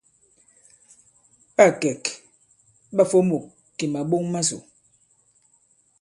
Ɓâ kɛ̀k ɓâ fomôk kì màɓok masò.